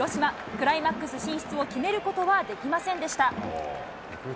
クライマックス進出を決めることはできませんでした。